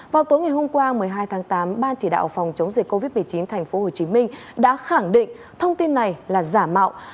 vào tối ngày hôm qua một mươi hai tháng tám ban chỉ đạo phòng chống dịch covid một mươi chín tp hcm đã khẳng định thông tin này là giả mạo